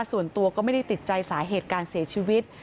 ส่วนตัวก็ไม่ได้ติดใจสาเหตุการเสียชีวิต